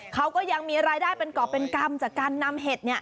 เขาก็ยังมีรายได้เป็นกรอบเป็นกรรมจากการนำเห็ด